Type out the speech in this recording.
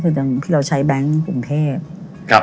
คือเราใช้แบงค์กรุงเทพฯ